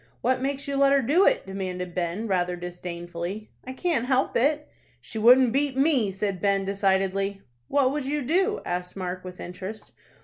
"What makes you let her do it?" demanded Ben, rather disdainfully. "I can't help it." "She wouldn't beat me," said Ben, decidedly. "What would you do?" asked Mark, with interest.